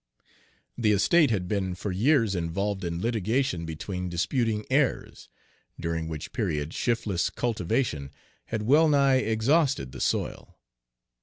The estate had been for years involved in litigation between disputing heirs, during which period shiftless cultivation had well nigh exhausted the soil.